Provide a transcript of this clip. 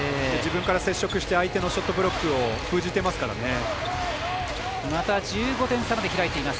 自分から接触して相手のショットブロックを封じてますからね。